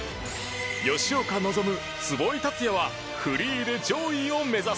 吉岡希壷井達也はフリーで上位を目指す。